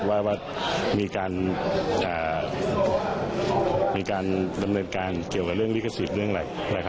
ว่ามีการดำเนินการเกี่ยวกับเรื่องลิขสิทธิ์เรื่องอะไร